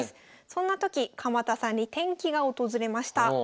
そんな時鎌田さんに転機が訪れました。